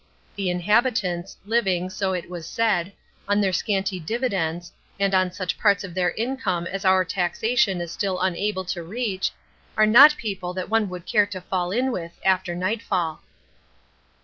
The inhabitants, living, so it is said, on their scanty dividends and on such parts of their income as our taxation is still unable to reach, are not people that one would care to fall in with after nightfall.